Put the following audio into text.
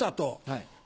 はい。